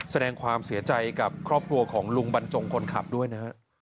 แสดงความเสียใจกับครอบครัวของลุงบรรจงคนขับด้วยนะฮะ